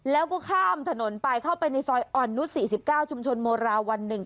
แล้วก็ข้ามถนนไปเข้าไปในซอยอ่อนนุษย์๔๙ชุมชนโมราวัน๑